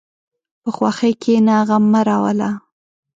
په خوښۍ کښېنه، غم مه راوله.